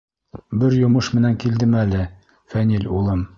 — Бер йомош менән килдем әле, Фәнил улым.